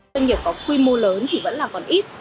doanh nghiệp có quy mô lớn thì vẫn là còn ít